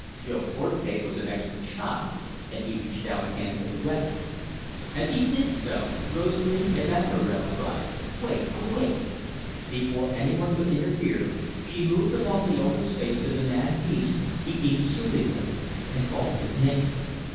Jo Portugais was an expert shot, and he reached out a hand for the weapon. As he did so, Rosalie Evanturel cried: "Wait, oh, wait!" Before any one could interfere she moved along the open space to the mad beast, speaking soothingly, and calling his name.